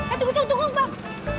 eh tunggu tunggu bang